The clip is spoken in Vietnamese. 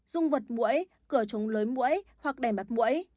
dùng vật mũi cửa chống lưới mũi hoặc đèn bắt mũi